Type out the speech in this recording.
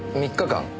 ３日間？